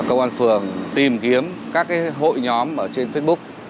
công an phường tìm kiếm các hội nhóm ở trên facebook